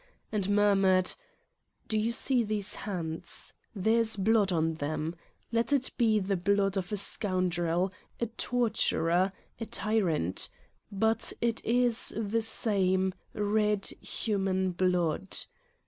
And murmured: "Do you see these hands! There is blood on them ! Let it be the blood of a scoundrel, a tor turer, a tyrant, but it is the same, red human blood.